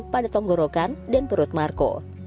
pada tenggorokan dan perut marco